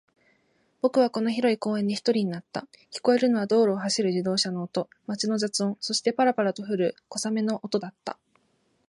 僕はこの広い公園で一人になった。聞こえるのは道路を走る自動車の音、街の雑音、そして、パラパラと降る小雨の音だった。